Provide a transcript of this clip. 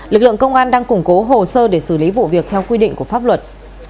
lực lượng công an đang củng cố hồ sơ để xử lý vụ việc theo quy định của pháp luật